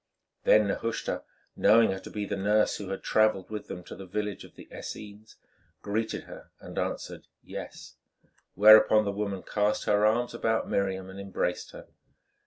Then Nehushta, knowing her to be the nurse who had travelled with them to the village of the Essenes, greeted her, and answered "Yea," whereupon the woman cast her arms about Miriam and embraced her.